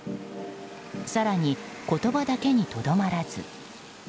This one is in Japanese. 更に、言葉だけにとどまらず。